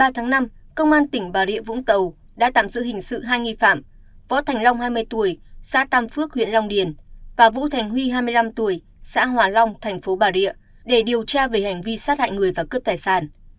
một mươi tháng năm công an tỉnh bà rịa vũng tàu đã tạm giữ hình sự hai nghi phạm võ thành long hai mươi tuổi xã tam phước huyện long điền và vũ thành huy hai mươi năm tuổi xã hòa long thành phố bà rịa để điều tra về hành vi sát hại người và cướp tài sản